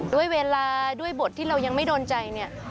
ด้วยเวลาด้วยบทที่เรายังไม่โดนใจเนี่ย